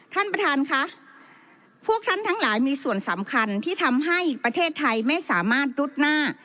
ท่านประธานค่ะพวกท่านทั้งหลายมีส่วนสำคัญที่ทำให้ประเทศไทยไม่สามารถรุดหน้า